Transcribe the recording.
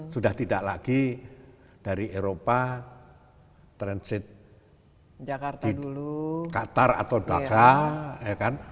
sudah tidak lagi dari eropa transit di qatar atau dhaka